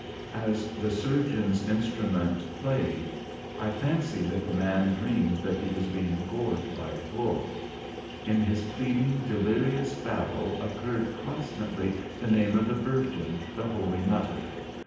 As the surgeon's instrument played, I fancied that the man dreamed that he was being gored by a bull. In his pleading, delirious babble occurred constantly the name of the Virgin, the Holy Mother.